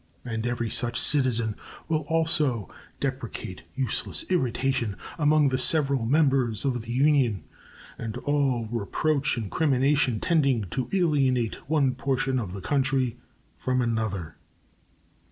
And every such citizen will also deprecate useless irritation among the several members of the Union and all reproach and crimination tending to alienate one portion of the country from another.